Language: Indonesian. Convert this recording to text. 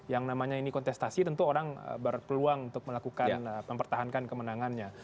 yang namanya ini kontestasi tentu orang berpeluang untuk melakukan mempertahankan kemenangannya